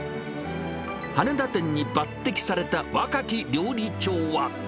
羽田店に抜てきされた若き料理長は。